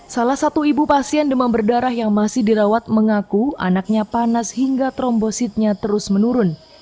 salah satu ibu pasien demam berdarah yang masih dirawat mengaku anaknya panas hingga trombositnya terus menurun